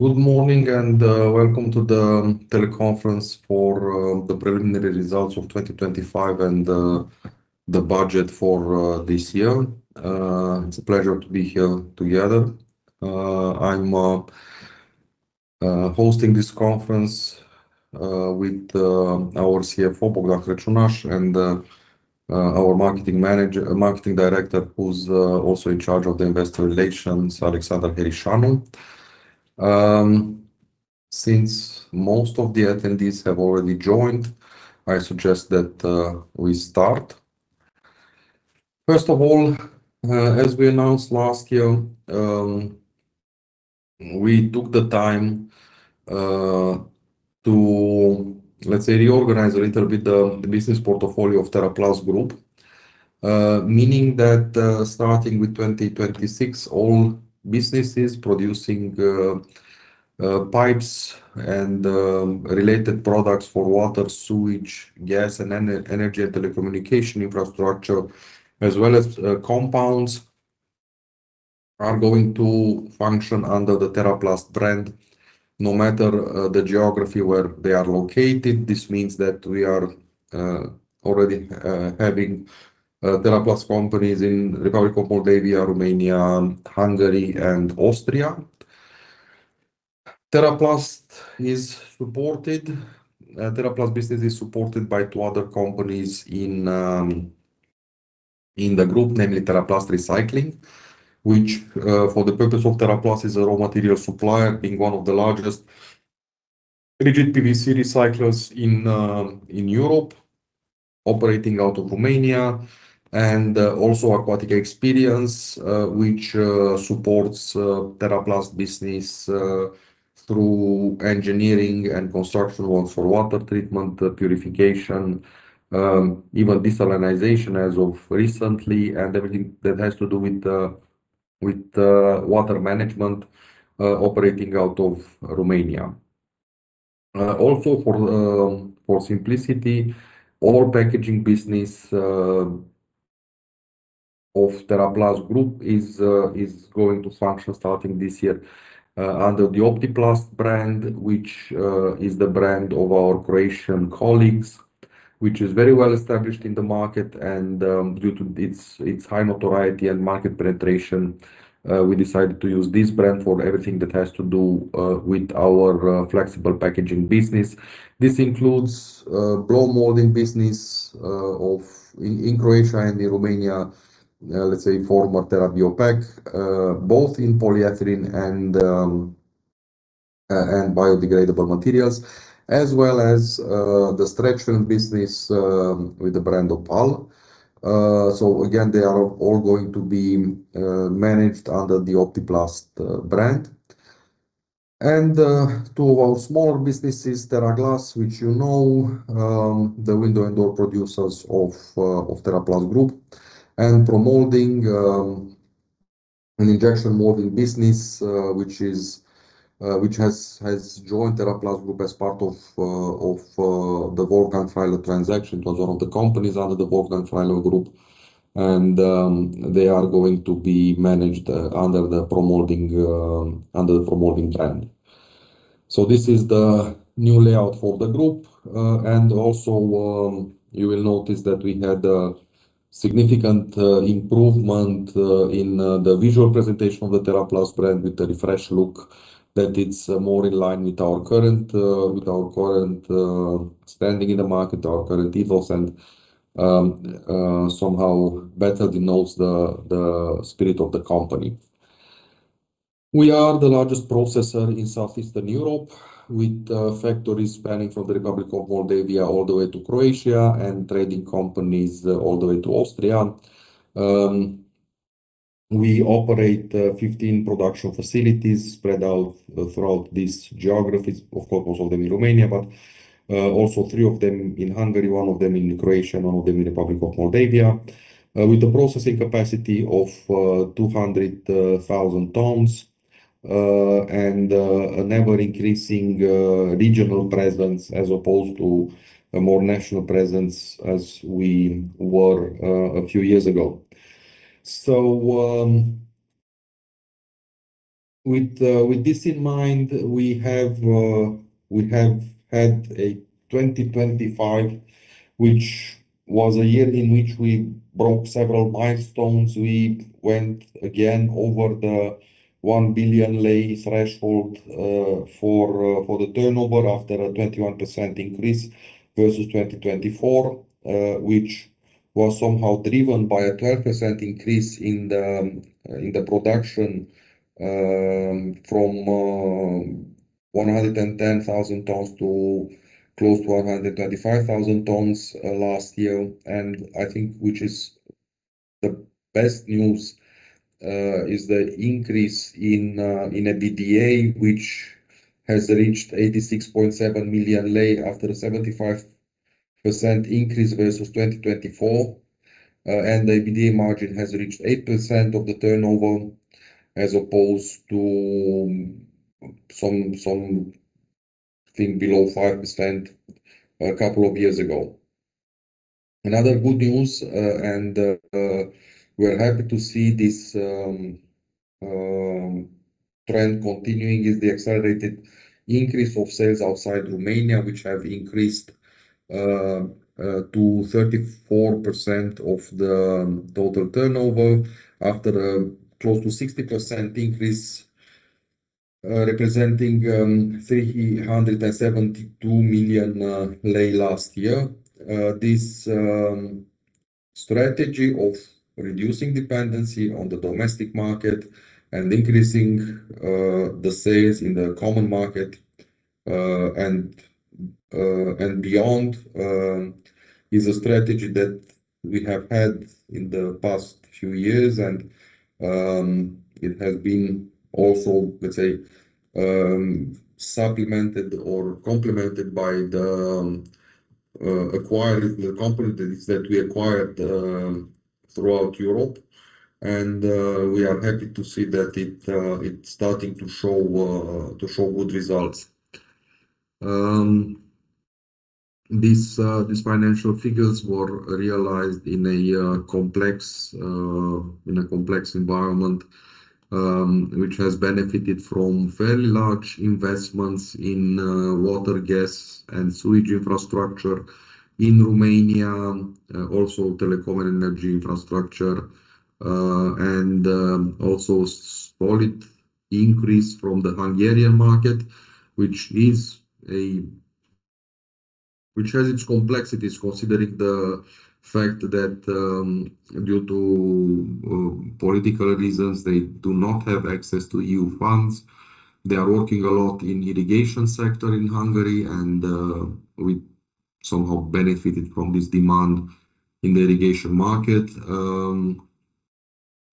Good morning, welcome to the teleconference for the preliminary results of 2025 and the budget for this year. It's a pleasure to be here together. I'm hosting this conference with our CFO, Bogdan Crăciunaș, and our Marketing Director, who's also in charge of the investor relations, Alexandra Herișanu. Since most of the attendees have already joined, I suggest that we start. First of all, as we announced last year, we took the time to, let's say, reorganize a little bit the business portfolio of Teraplast Group. Meaning that, starting with 2026, all businesses producing pipes and related products for water, sewage, gas, energy and telecommunication infrastructure, as well as compounds, are going to function under the Teraplast brand, no matter the geography where they are located. This means that we are already having Teraplast companies in Republic of Moldova, Romania, Hungary, and Austria. Teraplast business is supported by two other companies in the group, namely Teraplast Recycling, which for the purpose of Teraplast, is a raw material supplier, being one of the largest rigid PVC recyclers in Europe, operating out of Romania. Also Aquatice Experience, which supports Teraplast business through engineering and construction works for water treatment, purification, even desalinization as of recently, and everything that has to do with water management, operating out of Romania. Also for simplicity, all packaging business of Teraplast Group is going to function starting this year under the Optiplast brand, which is the brand of our Croatian colleagues, which is very well established in the market. Due to its high notoriety and market penetration, we decided to use this brand for everything that has to do with our flexible packaging business. This includes blow molding business of... In Croatia and in Romania, let's say, former TeraBio Pack, both in polyethylene and biodegradable materials, as well as the stretching business with the brand Opal. Again, they are all going to be managed under the Optiplast brand. To our smaller businesses, Teraplast, which you know, the window and door producers of Teraplast Group. Promolding, an injection molding business, which has joined Teraplast Group as part of the Wolfgang Freiler transaction. It was one of the companies under the Wolfgang Freiler Group, they are going to be managed under the Promolding, under the Promolding brand. This is the new layout for the group. Also, you will notice that we had a significant improvement in the visual presentation of the Teraplast brand, with a refreshed look, that it's more in line with our current standing in the market, our current ethos, and somehow better denotes the spirit of the company. We are the largest processor in South-Eastern Europe, with factories spanning from the Republic of Moldova all the way to Croatia, and trading companies all the way to Austria. We operate 15 production facilities spread out throughout these geographies. Of course, most of them in Romania, but also three of them in Hungary, one of them in Croatia, one of them in Republic of Moldova. With a processing capacity of 200,000 tons and an ever-increasing regional presence as opposed to a more national presence as we were a few years ago. With this in mind, we have had a 2025, which was a year in which we broke several milestones. We went again over the RON 1 billion threshold for the turnover after a 21% increase versus 2024, which was somehow driven by a 12% increase in the production from 110,000 tons to close to 135,000 tons last year. I think, which is the best news, is the increase in EBITDA, which has reached 86.7 million lei, after a 75% increase versus 2024. The EBITDA margin has reached 8% of the turnover, as opposed to something below 5% a couple of years ago. Another good news, we're happy to see this trend continuing, is the accelerated increase of sales outside Romania, which have increased to 34% of the total turnover after a close to 60% increase, representing 372 million lei last year. This strategy of reducing dependency on the domestic market and increasing the sales in the common market and beyond is a strategy that we have had in the past few years and it has been also, let's say, supplemented or complemented by the acquiring the companies that we acquired throughout Europe, and we are happy to see that it's starting to show good results. These financial figures were realized in a complex, in a complex environment, which has benefited from fairly large investments in water, gas, and sewage infrastructure in Romania, also telecom and energy infrastructure, and also solid increase from the Hungarian market, which has its complexities, considering the fact that due to political reasons, they do not have access to EU funds. They are working a lot in irrigation sector in Hungary, and we somehow benefited from this demand in the irrigation market.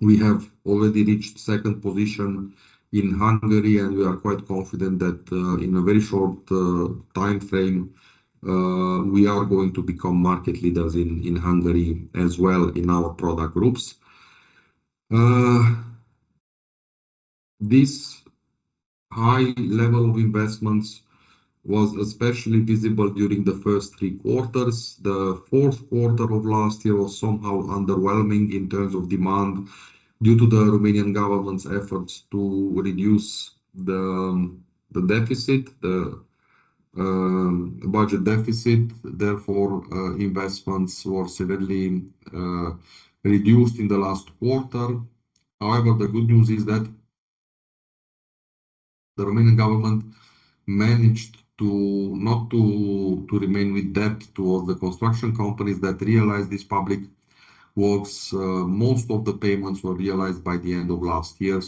We have already reached second position in Hungary, and we are quite confident that in a very short timeframe, we are going to become market leaders in Hungary as well in our product groups. This high level of investments was especially visible during the first three quarters. The fourth quarter of last year was somehow underwhelming in terms of demand due to the Romanian government's efforts to reduce the deficit, the budget deficit, therefore, investments were severely reduced in the last quarter. The good news is that the Romanian government managed to remain with debt towards the construction companies that realized this public works. Most of the payments were realized by the end of last year.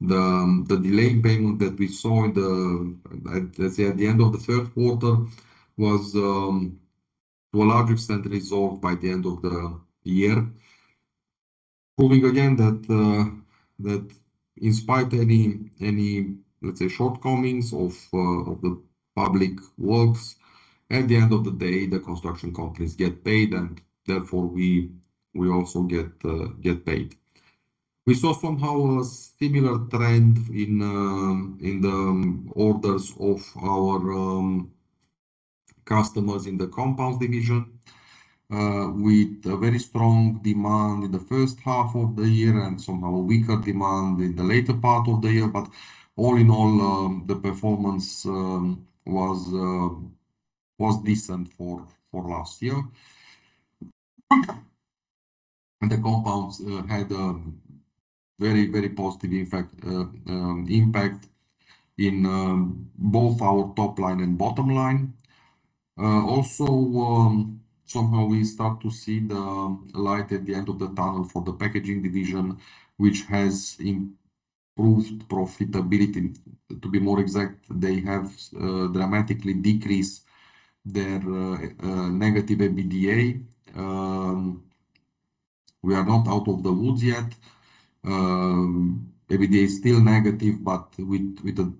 The delayed payment that we saw let's say at the end of the third quarter, was to a large extent, resolved by the end of the year. Proving again that in spite any shortcomings of the public works, at the end of the day, the construction companies get paid, and therefore, we also get paid. We saw somehow a similar trend in the orders of our customers in the compound division, with a very strong demand in the first half of the year and somehow a weaker demand in the later part of the year. All in all, the performance was decent for last year. The compounds had a very, very positive effect, impact in both our top line and bottom line. Somehow we start to see the light at the end of the tunnel for the packaging division, which has improved profitability. To be more exact, they have dramatically decreased their negative EBITDA. We are not out of the woods yet. EBITDA is still negative, but with a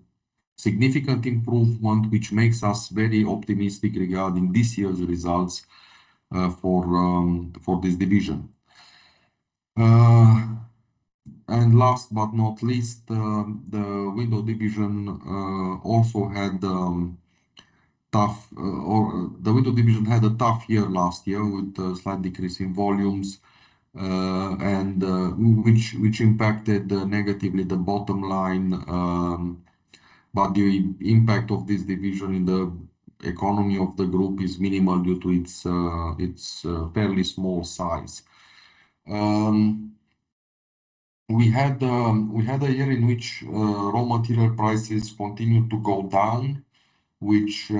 significant improvement, which makes us very optimistic regarding this year's results, for this division. Last but not least, the window division had a tough year last year, with a slight decrease in volumes, and which impacted, negatively the bottom line. The impact of this division in the economy of the Group is minimal due to its, fairly small size. We had a year in which, raw material prices continued to go down, which,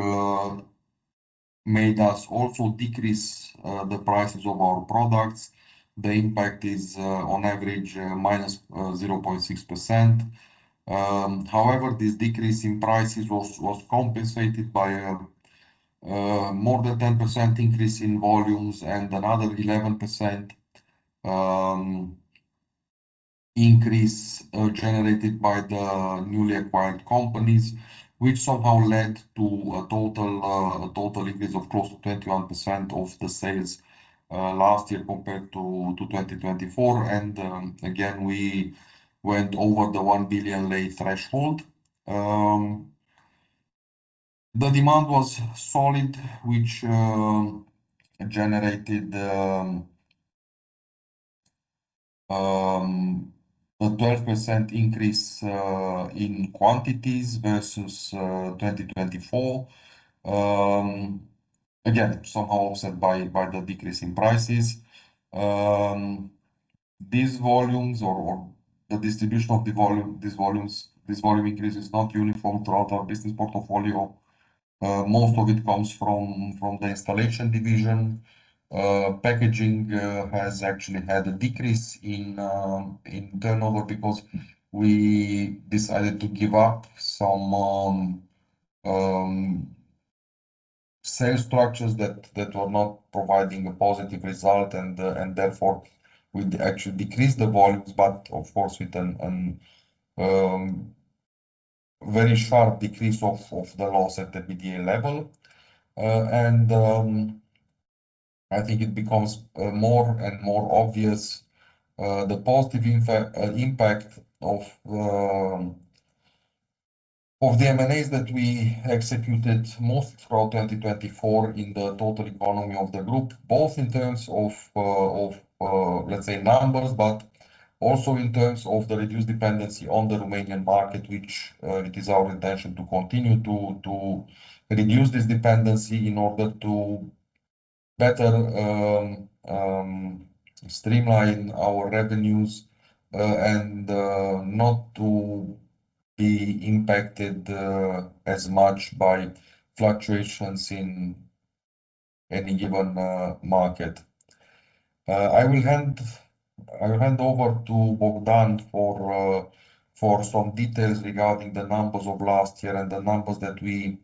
made us also decrease, the prices of our products. The impact is, on average, minus, 0.6%. However, this decrease in prices was compensated by a more than 10% increase in volumes and another 11% increase generated by the newly acquired companies, which somehow led to a total increase of close to 21% of the sales last year compared to 2024. Again, we went over the RON 1 billion threshold. The demand was solid, which generated a 12% increase in quantities versus 2024. Again, somehow offset by the decrease in prices. These volumes or the distribution of the volume, this volume increase is not uniform throughout our business portfolio. Most of it comes from the installation division. Packaging has actually had a decrease in turnover because we decided to give up some sales structures that were not providing a positive result, and therefore we actually decreased the volumes, but of course, with a very sharp decrease of the loss at the EBITDA level. I think it becomes more and more obvious the positive impact of the M&As that we executed mostly throughout 2024 in the total economy of the group, both in terms of numbers, but also in terms of the reduced dependency on the Romanian market, which it is our intention to continue to reduce this dependency in order to better streamline our revenues and not to be impacted as much by fluctuations in any given market. I will hand over to Bogdan for some details regarding the numbers of last year and the numbers that we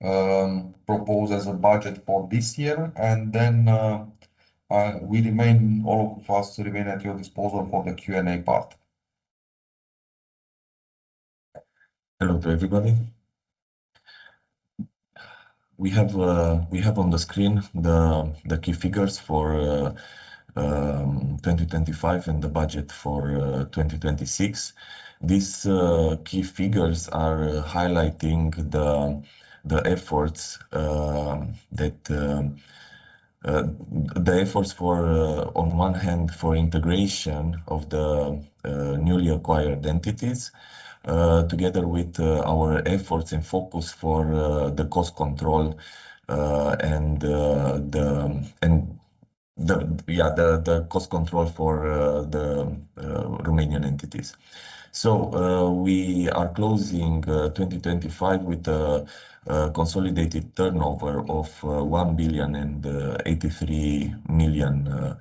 propose as a budget for this year. We, all of us remain at your disposal for the Q&A part. Hello to everybody. We have on the screen the key figures for 2025 and the budget for 2026. These key figures are highlighting the efforts that the efforts for on one hand, for integration of the newly acquired entities, together with our efforts and focus for the cost control and the cost control for the Romanian entities. We are closing 2025 with a consolidated turnover of RON 1,083 million.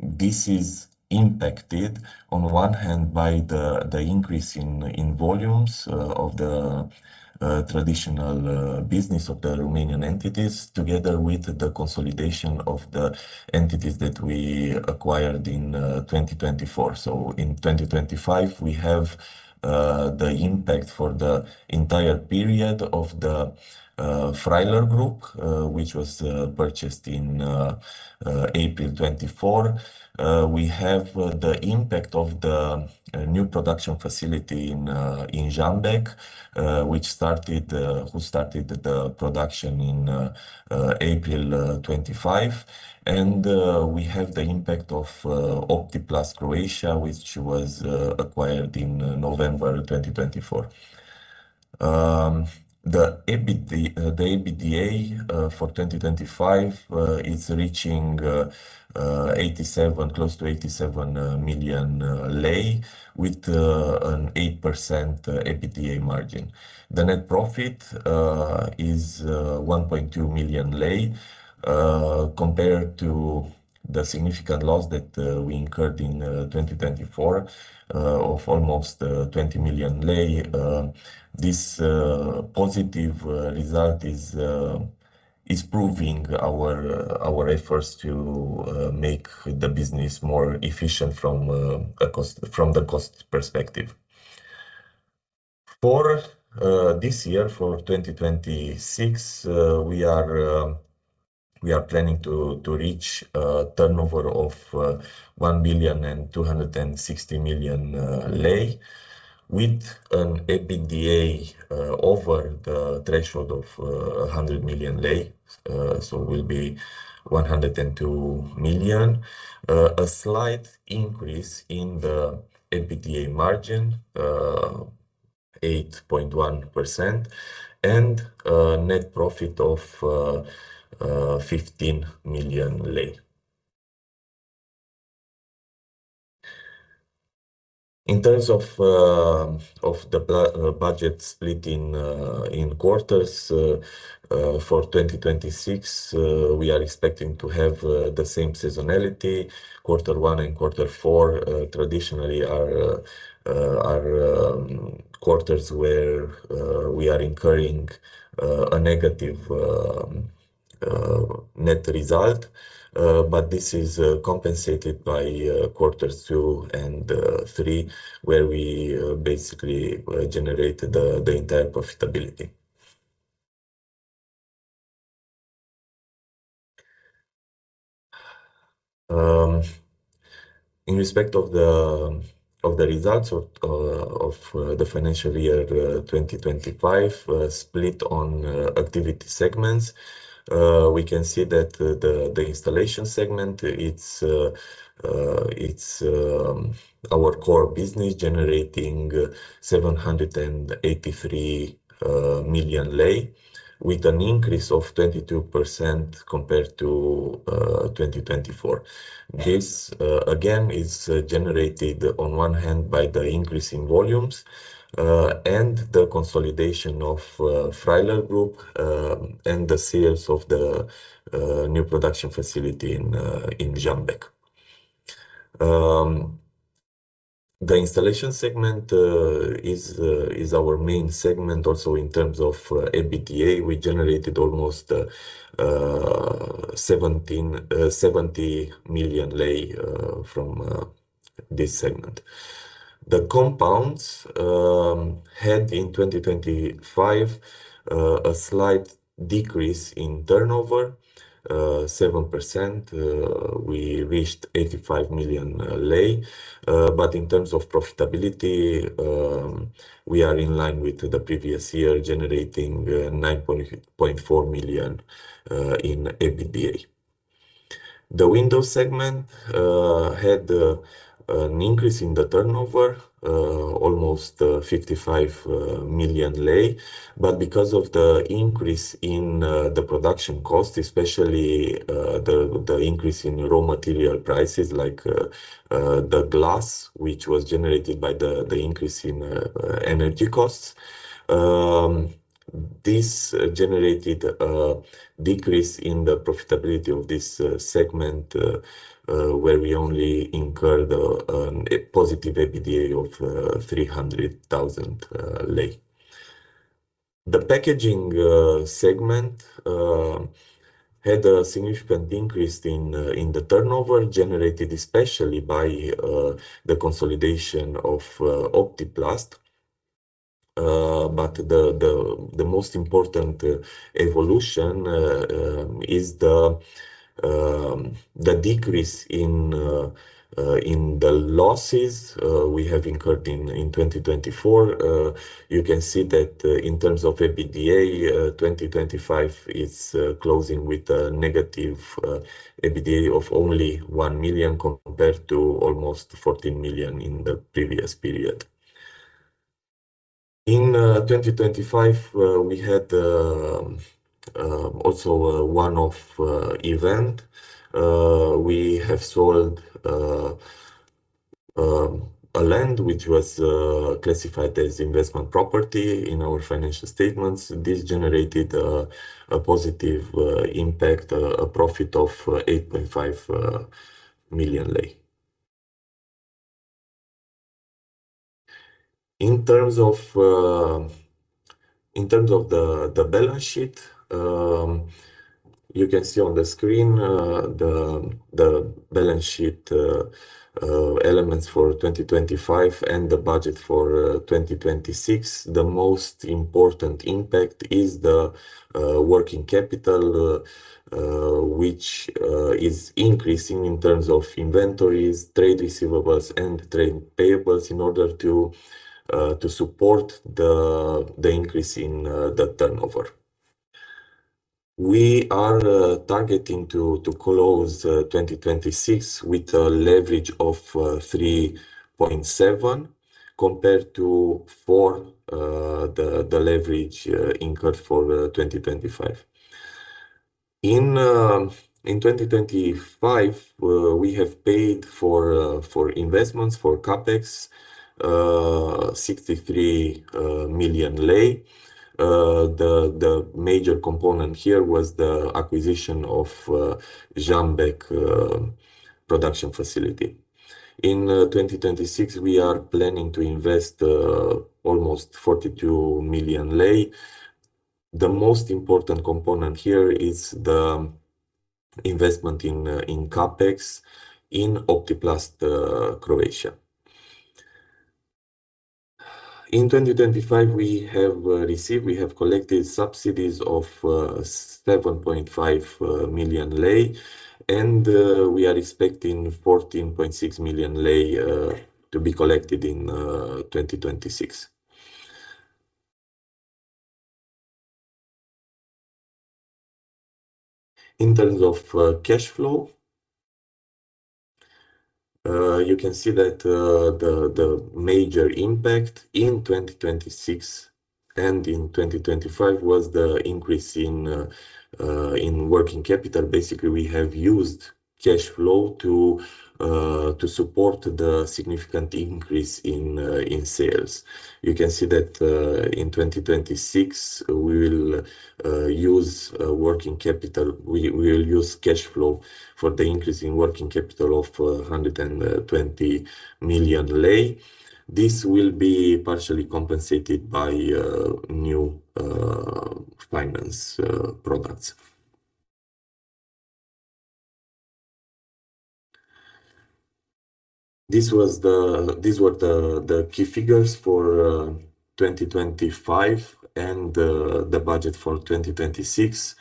This is impacted on one hand by the increase in volumes of the traditional business of the Romanian entities, together with the consolidation of the entities that we acquired in 2024. In 2025, we have the impact for the entire period of the Freiler Group, which was purchased in April 2024. We have the impact of the new production facility in Sărățel, which started who started the production in April 2025. We have the impact of Optiplast Croatia, which was acquired in November 2024. The EBITDA for 2025 is reaching 87, close to 87 million lei, with an 8% EBITDA margin. The net profit is 1.2 million lei, compared to the significant loss that we incurred in 2024, of almost 20 million lei. This positive result is proving our efforts to make the business more efficient from the cost perspective. For this year, for 2026, we are planning to reach a turnover of RON 1.26 billion, with an EBITDA over the threshold of RON 100 million. Will be RON 102 million. A slight increase in the EBITDA margin, 8.1%, and a net profit of RON 15 million. In terms of the budget split in quarters, for 2026, we are expecting to have the same seasonality. Quarter one and quarter four, traditionally are quarters where we are incurring a negative net result. This is compensated by quarters two and three, where we basically generate the entire profitability. In respect of the results of the financial year 2025, split on activity segments, we can see that the installation segment, it's our core business generating RON 783 million, with an increase of 22% compared to 2024. This again is generated on one hand by the increase in volumes and the consolidation of Freiler Group, and the sales of the new production facility in Zsámbék. The installation segment is our main segment also in terms of EBITDA. We generated almost RON 17, 70 million from this segment. The compounds had in 2025 a slight decrease in turnover, 7%. We reached RON 85 million. In terms of profitability, we are in line with the previous year, generating RON 9.4 million in EBITDA. The window segment had an increase in the turnover, almost RON 55 million. Because of the increase in the production cost, especially the increase in raw material prices, like the glass, which was generated by the increase in energy costs, this generated a decrease in the profitability of this segment, where we only incurred a positive EBITDA of 300,000 lei. The packaging segment had a significant increase in the turnover, generated especially by the consolidation of Optiplast. The most important evolution is the decrease in the losses we have incurred in 2024. You can see that, in terms of EBITDA, 2025 is closing with a negative EBITDA of only RON 1 million, compared to almost RON 14 million in the previous period. In 2025, we had also a one-off event. We have sold a land, which was classified as investment property in our financial statements. This generated a positive impact, a profit of RON 8.5 million. In terms of the balance sheet, you can see on the screen, the balance sheet elements for 2025 and the budget for 2026. The most important impact is the working capital, which is increasing in terms of inventories, trade receivables, and trade payables in order to support the increase in the turnover. We are targeting to close 2026 with a leverage of 3.7, compared to 4, the leverage incurred for 2025. In 2025, we have paid for investments, for CapEx, RON 63 million. The major component here was the acquisition of Zsámbék production facility. In 2026, we are planning to invest almost RON 42 million. The most important component here is the investment in CapEx, in Optiplast, Croatia. In 2025, we have received, we have collected subsidies of RON 7.5 million, and we are expecting RON 14.6 million to be collected in 2026. In terms of cash flow, you can see that the major impact in 2026 and in 2025 was the increase in working capital. Basically, we have used cash flow to support the significant increase in sales. You can see that in 2026, we will use cash flow for the increase in working capital of RON 120 million. This will be partially compensated by new finance products. These were the key figures for 2025 and the budget for 2026.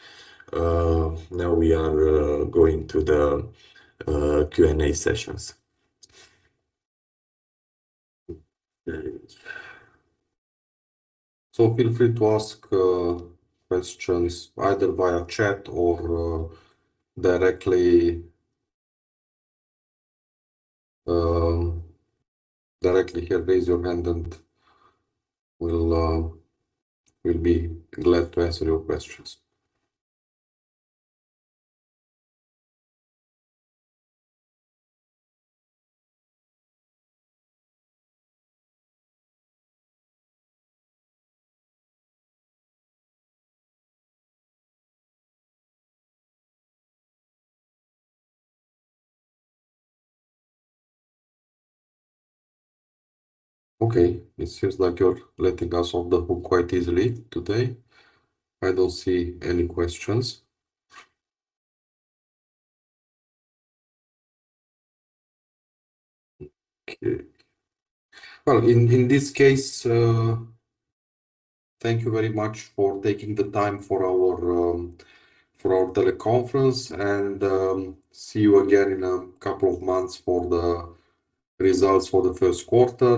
Now we are going to the Q&A sessions. Feel free to ask questions either via chat or directly here. Raise your hand, and we'll be glad to answer your questions. Okay, it seems like you're letting us off the hook quite easily today. I don't see any questions. In, in this case, thank you very much for taking the time for our, for our teleconference, and see you again in a couple of months for the results for the first quarter.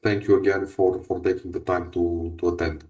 Thank you again for taking the time to attend.